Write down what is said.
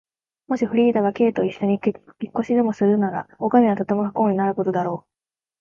もしフリーダが Ｋ といっしょに引っ越しでもするなら、おかみはとても不幸になることだろう。